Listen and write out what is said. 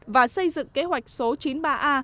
và xây dựng kế hoạch số chín mươi ba a